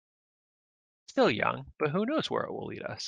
It's still young, but who knows where it will lead us.